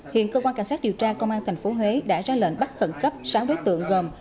hiện cơ quan cảnh sát điều tra công an tp huế đã ra lệnh bắt khẩn cấp sáu đối tượng gồm